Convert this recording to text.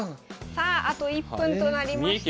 さああと１分となりました。